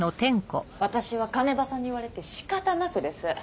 私は鐘場さんに言われて仕方なくです。